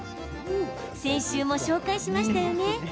先週も紹介しましたよね